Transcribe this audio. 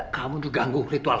kamu tuh ganggu ritual